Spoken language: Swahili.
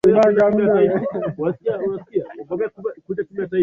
lakini nadhani sasa hivi imefika wakati kwamba